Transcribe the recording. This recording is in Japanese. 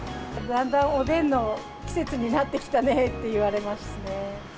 だんだんおでんの季節になってきたねって言われますね。